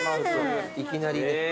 いきなり。